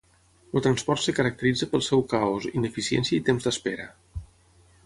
El transport es caracteritza pel seu caos, ineficiència i temps d'espera.